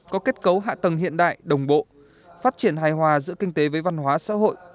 có kết cấu hạ tầng hiện đại đồng bộ phát triển hài hòa giữa kinh tế với văn hóa xã hội